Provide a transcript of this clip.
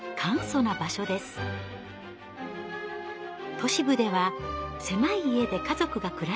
都市部では狭い家で家族が暮らしていた時代。